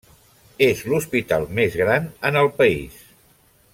És l'hospital més gran en el país.